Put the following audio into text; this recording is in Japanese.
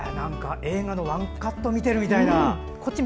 映画のワンカットを見ているみたいな。